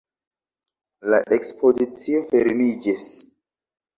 La ekspozicio fermiĝis.